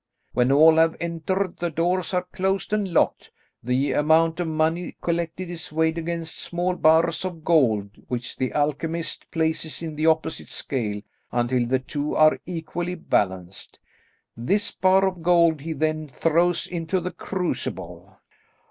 When all have entered, the doors are closed and locked. The amount of money collected is weighed against small bars of gold which the alchemist places in the opposite scale until the two are equally balanced. This bar of gold he then throws into the crucible."